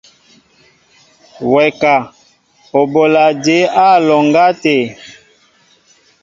Wɛ ka , o bola jěbá á alɔŋgá tê?